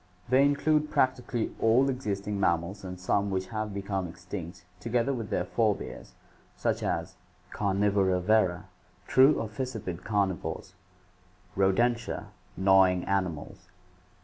They include practically all existing mammals and some which have become extinct together with their forebears, such as: Carnivora Vera, true or fissiped carnivores. Rodentia, gnawing animals.